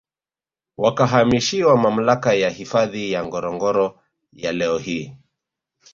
Wakahamishiwa Mamlaka ya Hifadhi ya Ngorongoro ya leo hii